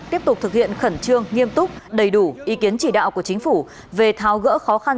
tiếp tục thực hiện khẩn trương nghiêm túc đầy đủ ý kiến chỉ đạo của chính phủ về tháo gỡ khó khăn